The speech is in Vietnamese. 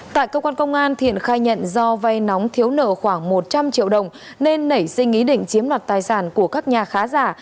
tại cơ quan công an thiện khai nhận do vay nóng thiếu nợ khoảng một trăm linh triệu đồng nên nảy sinh ý định chiếm đoạt tài sản của các nhà khá giả